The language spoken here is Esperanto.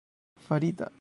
farita